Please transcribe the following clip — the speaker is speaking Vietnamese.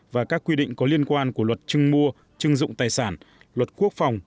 và các quy định có liên quan của luật chưng mua chưng dụng tài sản luật quốc phòng